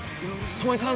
巴さん！